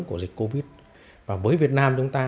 của dịch covid và với việt nam chúng ta